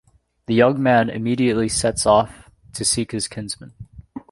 The young man immediately sets off to seek his kinsman.